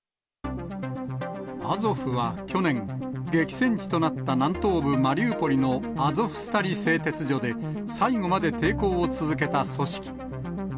アゾフは去年、激戦地となった南東部マリウポリのアゾフスタリ製鉄所で最後まで抵抗を続けた組織。